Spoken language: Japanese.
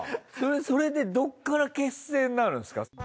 それでどっから結成になるんすか？